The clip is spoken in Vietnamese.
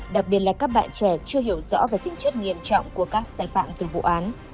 đặc biệt là các bạn trẻ chưa hiểu rõ về tính chất nghiêm trọng của các sai phạm từ vụ án